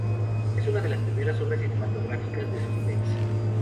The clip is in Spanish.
Es una de las primeras obras cinematográficas de suspense.